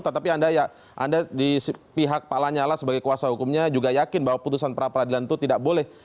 tetapi anda di pihak pak lanyala sebagai kuasa hukumnya juga yakin bahwa putusan pra peradilan itu tidak boleh